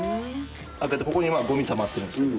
開けて、ここに今ゴミたまってるんですけど。